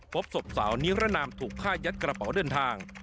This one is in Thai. พบศพสาวนิรนามถูกฆ่ายัดกระเป๋าเดินทาง